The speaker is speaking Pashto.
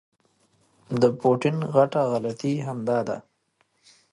د پوټین غټه غلطي همدا ده.